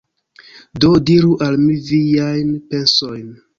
Do, diru al mi viajn pensojn